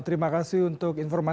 terima kasih untuk informasi